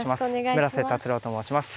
村瀬達郎と申します。